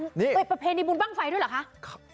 นี่เป็นประเพณีบุญบ้างไฟด้วยเหรอคะ